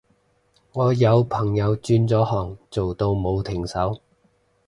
我有朋友轉咗行做到冇停手